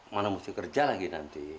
mana mesti kerja lagi nanti